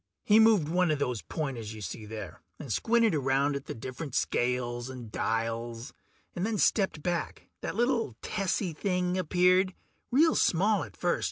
He moved one of those pointers you see there, and squinted around at the different scales and dials, and then stepped back. That little tessy thing appeared, real small at first.